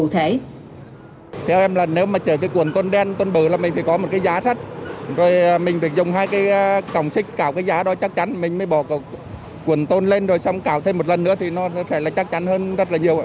theo em là nếu mà chở cái cuộn tôn đen tôn bự là mình phải có một cái giá sắt rồi mình phải dùng hai cái cổng xích cào cái giá đó chắc chắn mình mới bỏ cuộn tôn lên rồi xong cào thêm một lần nữa thì nó sẽ là chắc chắn hơn rất là nhiều